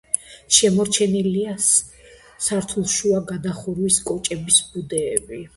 შემორჩენილია სართულშუა გადახურვის კოჭების ბუდეები.